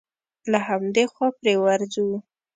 له همدې خوا پرې ورځو.